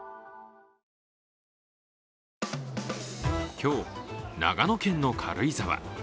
今日、長野県の軽井沢。